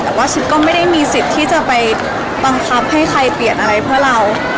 แต่ว่าชิปก็ไม่ได้มีสิทธิ์ที่จะไปบังคับให้ใครเปลี่ยนอะไรเพื่อเรา